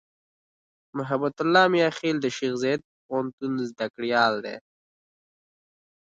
محبت الله "میاخېل" د شیخزاید پوهنتون زدهکړیال دی.